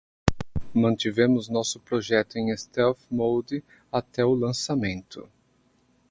Mantivemos nosso projeto em stealth mode até o lançamento.